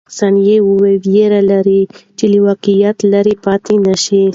ثانیه وايي، وېره لري چې له واقعیت لیرې پاتې نه شي.